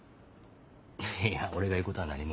いや俺が言うことは何も。